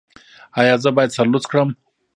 ایا زه باید سر لوڅ کړم؟